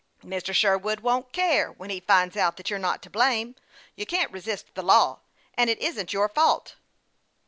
" Mr. Sherwood won't care when he finds out that you are not to blame. You can't resist the law, and it isn't your fault."